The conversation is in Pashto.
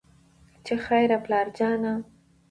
چې خېره پلار جانه